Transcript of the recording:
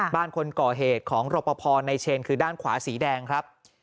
คนก่อเหตุของรปภในเชนคือด้านขวาสีแดงครับ